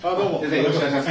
よろしくお願いします。